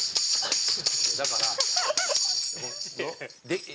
だから。